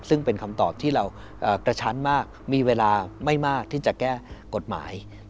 ซึ่งเป็นคำตอบที่เรากระชั้นมากมีเวลาไม่มากที่จะแก้กฎหมาย